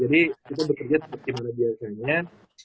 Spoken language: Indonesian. jadi kita bekerja seperti biasa